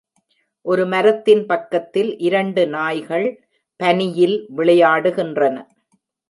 ஒரு மரத்தின் பக்கத்தில் இரண்டு நாய்கள் பனியில் விளையாடுகின்றன